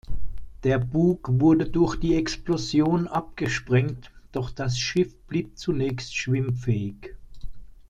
Der Bug wurde durch die Explosion abgesprengt, doch das Schiff blieb zunächst schwimmfähig.